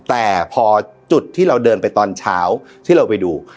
แต่พอจุดที่เราเดินไปตอนเช้าที่เราไปดู